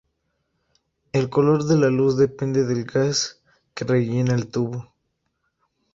El color de la luz depende del gas que rellena el tubo.